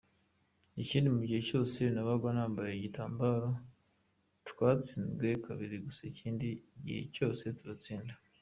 Ikindi mu gihe cyose nabaga nambaye igitambaro twatsinzwe kabiri gusa ikindi gihe cyose turatsinda.